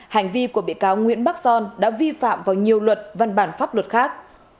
hành vi của bị cáo nguyễn bắc son đã vi phạm vào nhiều luật văn bản pháp luật khác